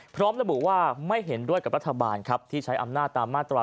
พร้อมระบุว่าไม่เห็นด้วยกับรัฐบาลครับที่ใช้อำนาจตามมาตรา๑